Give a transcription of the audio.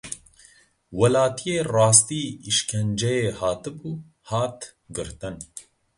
Welatiyê rastî îşkenceyê hatibû, hat girtin.